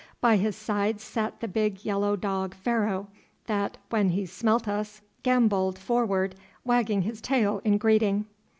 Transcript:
By his side sat the big yellow dog, Pharaoh, that, when he smelt us, gambolled forward, wagging his tail in greeting.